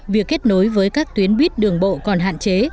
việc kết nối với các tuyến buýt đường bộ còn hạn chế